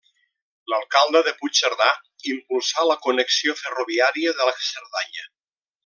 L'alcalde de Puigcerdà impulsà la connexió ferroviària de la Cerdanya.